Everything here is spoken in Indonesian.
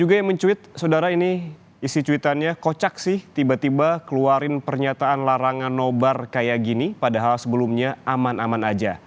juga yang mencuit saudara ini isi cuitannya kocak sih tiba tiba keluarin pernyataan larangan nobar kayak gini padahal sebelumnya aman aman aja